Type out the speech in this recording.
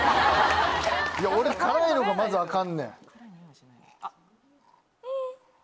俺辛いのがまずアカンねん。